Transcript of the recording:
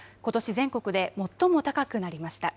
全国で最も高くなりました。